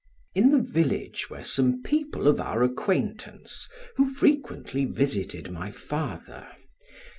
In the village were some people of our acquaintance who frequently visited my father.